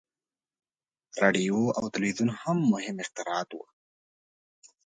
• راډیو او تلویزیون هم مهم اختراعات وو.